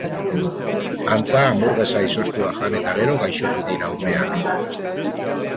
Antza hanburgesa izoztuak jan eta gero gaixotu dira umeak.